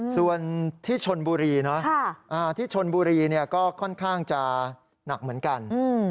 ส่วนที่ชนบุรีนะที่ชนบุรีก็ค่อนข้างจะหนักเหมือนกัน